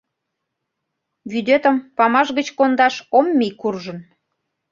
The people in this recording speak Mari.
Вӱдетым памаш гыч кондаш ом мий куржын.